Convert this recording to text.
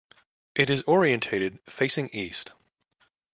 It is orientated facing east.